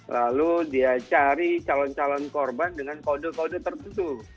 lalu dia cari calon calon korban dengan kode kode tertentu